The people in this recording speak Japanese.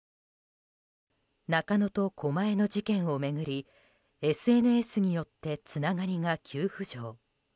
中野と狛江の事件を巡りＳＮＳによってつながりが急浮上。